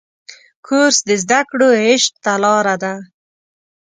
کورس د زده کړو عشق ته لاره ده.